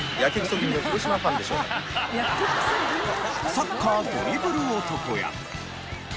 サッカードリブル男や。